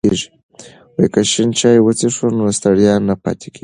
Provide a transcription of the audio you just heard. که شین چای وڅښو نو ستړیا نه پاتې کیږي.